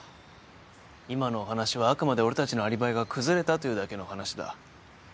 今のお話はあくまで俺たちのアリバイが崩れたというだけの話だ。